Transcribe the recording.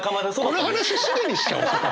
この話しげにしちゃおうそこ。